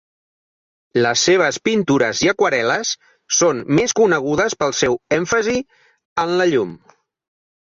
Les seves pintures i aquarel·les són més conegudes pel seu èmfasi en la llum.